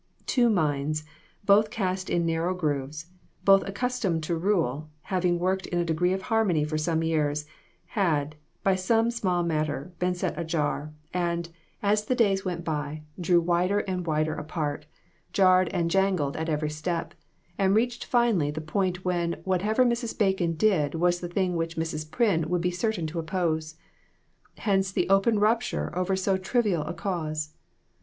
Two minds, both cast in narrow grooves, both accustomed to rule, having worked in a degree of harmony for some years, had, by some small matter, been set ajar, and, as the days 202 CROSS LOTS. went by, drew wider and wider apart, jarred and jangled at every step, and reached finally the point when whatever Mrs. Bacon did was the thing which Mrs. Pryn would be certain to oppose; hence the open rupture over so trivial a cause.